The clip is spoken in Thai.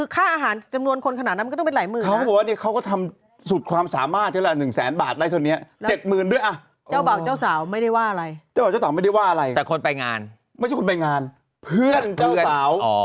ค่าอาหารจำนวนคนขนาดนั้นก็ต้องไปหลายหมื่นนะ